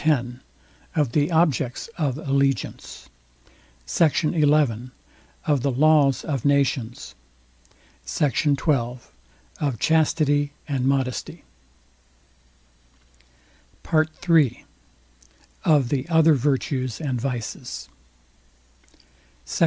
X OF THE OBJECTS OF ALLEGIANCE SECT. XI OF THE LAWS OF NATIONS SECT. XII OF CHASTITY AND MODESTY PART III OF THE OTHER VIRTUES AND VICES SECT.